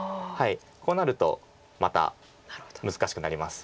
こうなるとまた難しくなります。